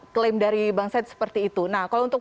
klaim dari bang said seperti itu nah kalau untuk